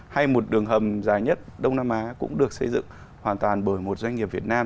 hay một đường hầm dài nhất đông nam á cũng được xây dựng hoàn toàn bởi một doanh nghiệp việt nam